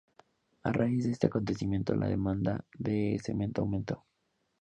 A raíz de este acontecimiento la demanda de cemento aumentó.